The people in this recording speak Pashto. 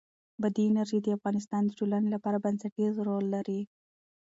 بادي انرژي د افغانستان د ټولنې لپاره بنسټيز رول لري.